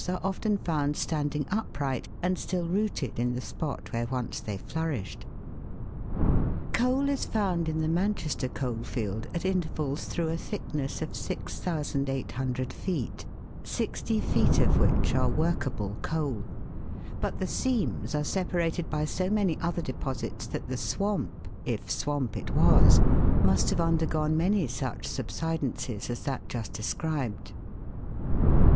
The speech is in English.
are often found standing upright and still rooted in the spot where once they nourished (Fig. 36). Coal is found in the Manchester coal field at intervals through a thickness of 6,800 feet, 60 feet of which are workable coal ; but the seams are separated by so many other deposits that the swamp, if swamp it was, must have undergone many such subsidences as that just described.